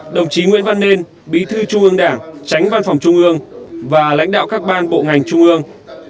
đồng chí nguyễn văn nên bí thư trung ương đảng tránh văn phòng trung ương và lãnh đạo các ban bộ ngành trung ương